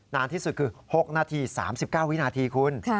นานที่สุดคือ๖นาที๓๙วินาทีคุณ